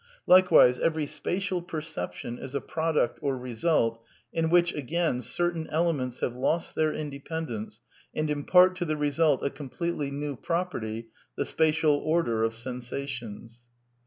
" Likewise every spatial perception is a product, or result, in which, again, certain elements have lost their independence, and impart to the result a completely new property — Ihe spatiid order of sensations.''